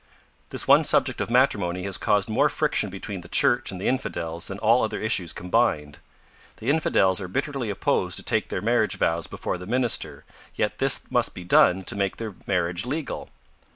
This one subject of matrimony has caused more friction between the Church and the infidels than all other issues combined. The infidels are bitterly opposed to take their marriage vows before the minister, yet this must be done to make their marriage legal.